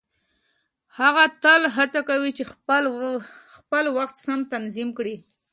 هغه تل هڅه کوي چې خپل وخت سم تنظيم کړي.